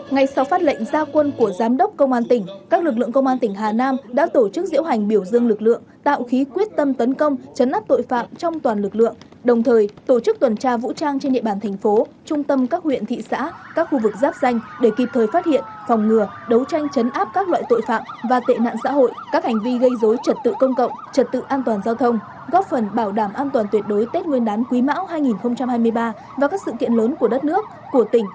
ngay sau phát lệnh ra quân của giám đốc công an tỉnh các lực lượng công an tỉnh hà nam đã tổ chức diễu hành biểu dương lực lượng tạo khí quyết tâm tấn công trấn áp tội phạm trong toàn lực lượng đồng thời tổ chức tuần tra vũ trang trên địa bàn thành phố trung tâm các huyện thị xã các khu vực giáp danh để kịp thời phát hiện phòng ngừa đấu tranh trấn áp các loại tội phạm và tệ nạn xã hội các hành vi gây dối trật tự công cộng trật tự an toàn giao thông góp phần bảo đảm an toàn tuyệt đối tết nguy